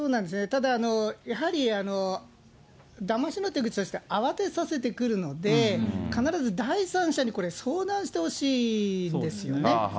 ただやはり、だましの手口として、慌てさせてくるので、必ず第三者にこれ、相談してほしいんですよね。